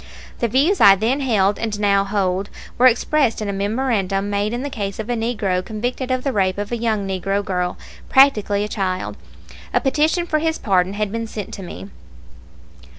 The views I then held and now hold were expressed in a memorandum made in the case of a Negro convicted of the rape of a young Negro girl, practically a child. A petition for his pardon had been sent me.